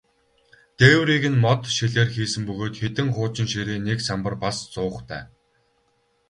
Дээврийг нь мод, шилээр хийсэн бөгөөд хэдэн хуучин ширээ, нэг самбар, бас зуухтай.